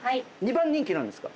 ２番人気何ですか？